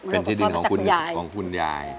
เป็นที่ดินของคุณยาย